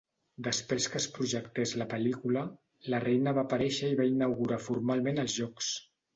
Després que es projectés la pel·lícula, la reina va aparèixer i va inaugurar formalment els jocs.